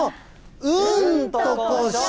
うんとこしょ。